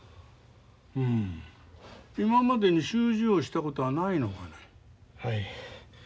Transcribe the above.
うん今までに習字をしたことはないのかね？はい。